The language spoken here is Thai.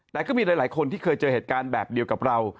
แต่ก็มีหลายคนที่เคยเจอเหตุการณ์แบบเดียวกับเรา